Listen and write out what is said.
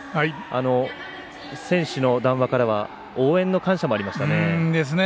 選手の談話からは応援の感謝もありましたね。